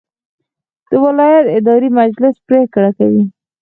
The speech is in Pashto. د ولایت اداري مجلس پریکړې کوي